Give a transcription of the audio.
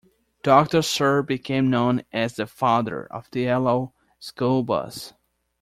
Doctor Cyr became known as the Father of the Yellow School Bus.